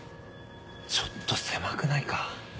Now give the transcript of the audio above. ちょっと狭くないか？